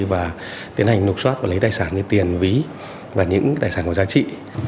và tiến hành nục soát và lấy tài sản như tiền ví và những tài sản có giá trị